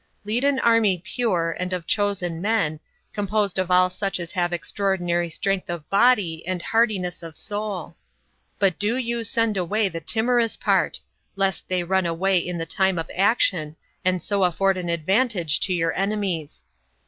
Lead an army pure, and of chosen men, composed of all such as have extraordinary strength of body and hardiness of soul; but do you send away the timorous part, lest they run away in the time of action, and so afford an advantage to your enemies.